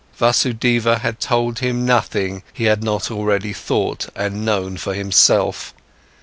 Vasudeva had told him nothing he had not already thought and known for himself.